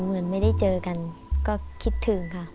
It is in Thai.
เหมือนไม่ได้เจอกันก็คิดถึงค่ะ